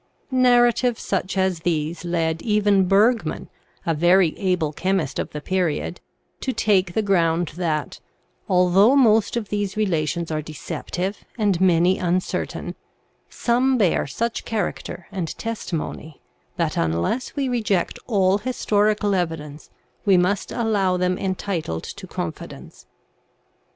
Narratives such as these led even Bergman, a very able chemist of the period, to take the ground that " although most of these relations are deceptive and many uncertain, some bear such character and testimony that, unless we re ject all historical evidence, we must allow them entitled to confidence."